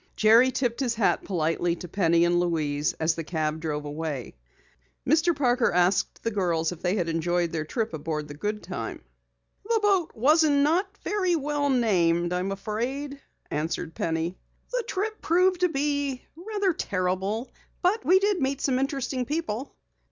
Jerry tipped his hat politely to Penny and Louise as the cab drove away. Mr. Parker asked the girls if they had enjoyed their trip aboard the Goodtime. "The boat wasn't very well named, I'm afraid," answered Penny. "The trip proved to be rather terrible but we met some interesting people."